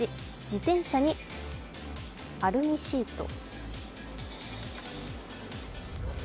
自転車にアルミシート。